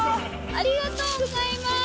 ありがとうございます！